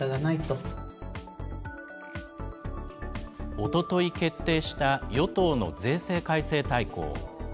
おととい決定した与党の税制改正大綱。